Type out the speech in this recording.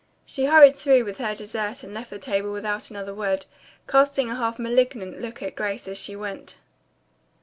She hurried through with her dessert and left the table without another word, casting a half malignant look at Grace as she went.